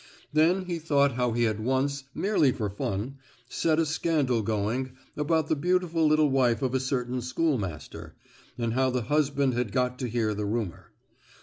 Then he thought how he had once, merely for fun, set a scandal going about the beautiful little wife of a certain schoolmaster, and how the husband had got to hear the rumour.